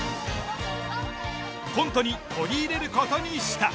コントに取り入れることにした。